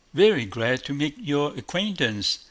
Vewy glad to make your acquaintance!